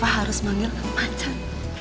harus manggilkan pacar